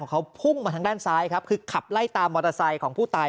เขาพุ่งมาทางด้านซ้ายครับคือขับไล่ตามมอเตอร์ไซค์ของผู้ตาย